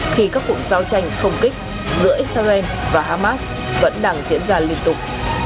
khi các cuộc giao tranh không kích giữa israel và hamas vẫn đang diễn ra liên tục